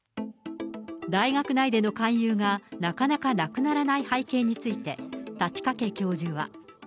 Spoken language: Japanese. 大学内での勧誘がなかなかなくならない背景について、太刀掛教授は。